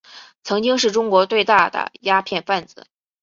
曾经是中国最大的鸦片贩子。